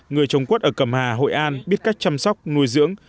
người trồng quất ở cẩm hà hội an biết cách chăm sóc nuôi dưỡng